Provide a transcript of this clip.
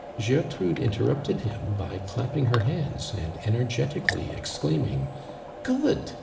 Gertrude interrupted him by clapping her han<ls and energetically exiiaiming: " (food